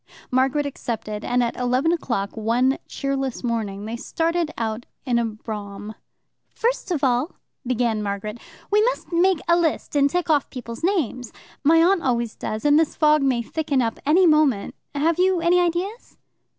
Margaret accepted, and at eleven o'clock one cheerless morning they started out in a brougham. "First of all," began Margaret, "we must make a list and tick off the people's names. My aunt always does, and this fog may thicken up any moment. Have you any ideas?"